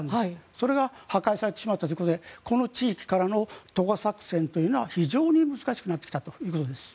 それが破壊されてしまったということでこの地域からの渡河作戦というのは非常に難しくなってきたということです。